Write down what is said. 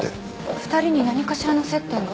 ２人に何かしらの接点が？